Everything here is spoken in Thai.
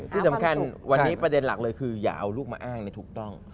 ที่สำคัญวันนี้ประเด็นหลักเลยคืออย่าเอาลูกมาอ้างถูกต้อง